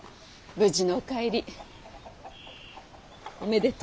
無事のお帰りおめでとうございます。